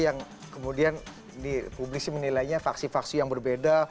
yang kemudian dipublisi menilainya faksi faksi yang berbeda